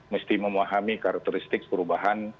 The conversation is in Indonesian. mesti memahami karakteristik perubahan